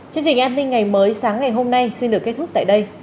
chương trình an ninh ngày mới sáng ngày hôm nay xin được kết thúc tại đây